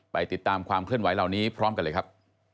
ไปติดตามความเคลื่อนไหวเหล่านี้พร้อมกันเลยครับ